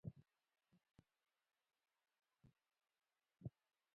ګروپ ولګوئ ، ګروپ روښانه کړئ.